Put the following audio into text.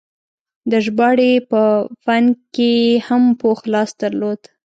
د ژباړې په فن کې یې هم پوخ لاس درلود.